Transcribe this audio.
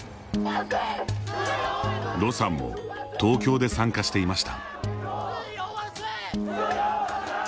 盧さんも東京で参加していました。